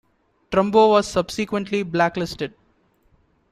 Trumbo was subsequently blacklisted.